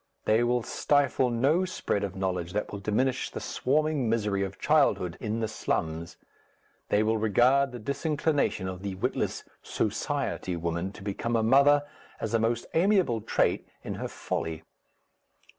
They will stifle no spread of knowledge that will diminish the swarming misery of childhood in the slums, they will regard the disinclination of the witless "Society" woman to become a mother as a most amiable trait in her folly.